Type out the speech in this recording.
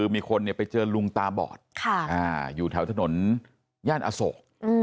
มีคนไปเจอลุงตาบอดอยู่ทำถนนจอโศก